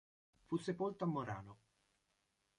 Fu sepolto a Morano.